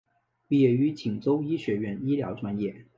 毕业于锦州医学院医疗专业。